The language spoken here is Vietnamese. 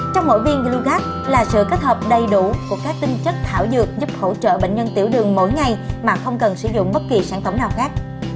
trong mỗi viên glogat là sự kết hợp đầy đủ của các tinh chất thảo dược giúp hỗ trợ bệnh nhân tiểu đường mỗi ngày mà không cần sử dụng bất kỳ sản phẩm nào khác